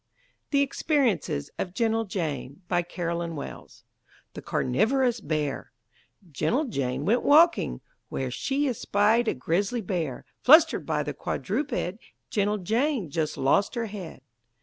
THE EXPERIENCES OF GENTLE JANE BY CAROLYN WELLS THE CARNIVOROUS BEAR Gentle Jane went walking, where She espied a Grizzly Bear; Flustered by the quadruped Gentle Jane just lost her head.